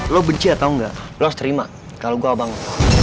lo benci atau enggak lo harus terima kalau gue abang lo